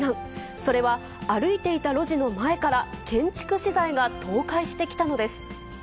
それは、歩いていた路地の前から建築資材が倒壊してきたのです。